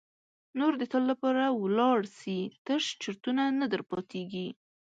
نور د تل لپاره ولاړ سي تش چرتونه در پاتیږي.